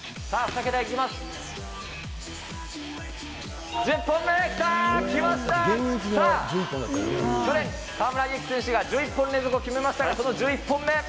さあ、去年、河村優輝選手が１１本連続を決めましたが、その１１本目。